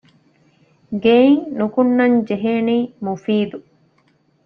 ގެއިން ނުކުންނަން ޖެހޭނީ މުފީދު